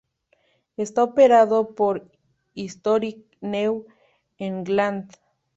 Está operado por Historic New England.